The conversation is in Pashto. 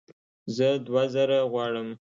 زه دوه زره غواړم